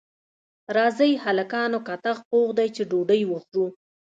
راځئ هلکانو کتغ پوخ دی چې ډوډۍ وخورو